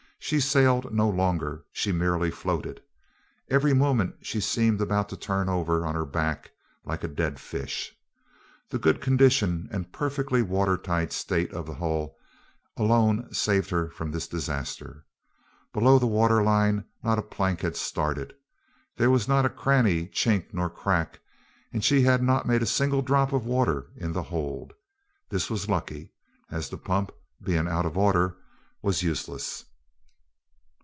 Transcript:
She sailed no longer she merely floated. Every moment she seemed about to turn over on her back, like a dead fish. The good condition and perfectly water tight state of the hull alone saved her from this disaster. Below the water line not a plank had started. There was not a cranny, chink, nor crack; and she had not made a single drop of water in the hold. This was lucky, as the pump, being out of order, was useless.